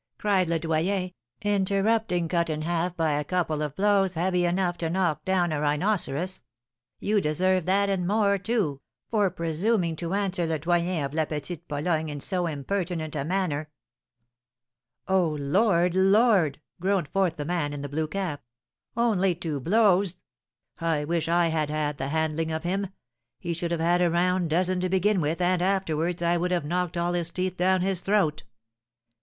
cried Le Doyen, interrupting Cut in Half by a couple of blows heavy enough to knock down a rhinoceros; 'you deserve that and more, too, for presuming to answer Le Doyen of La Petite Pologne in so impertinent a manner.'" "O Lord! Lord!" groaned forth the man in the blue cap, "only two blows! I wish I had had the handling of him. He should have had a round dozen to begin with, and afterwards I would have knocked all his teeth down his throat!"